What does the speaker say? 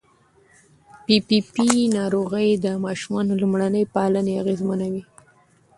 پي پي پي ناروغي د ماشوم لومړني پالنې اغېزمنوي.